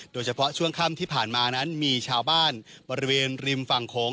โดยเฉพาะช่วงค่ำที่ผ่านมานั้นมีชาวบ้านบริเวณริมฝั่งโขง